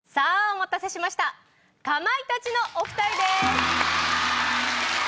お待たせしましたかまいたちのお２人です。